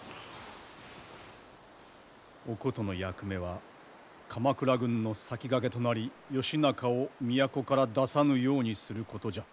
おことの役目は鎌倉軍の先駆けとなり義仲を都から出さぬようにすることじゃ。